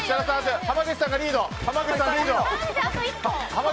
濱口さんがリード！